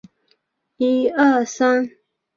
但国际汽联未予批准。